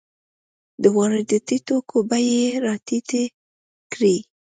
د وارداتي توکو بیې یې راټیټې کړې.